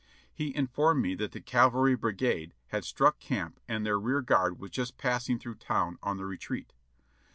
He informed me that the cavalry brigade had struck camp and their rear guard was just passing through town on the retreat.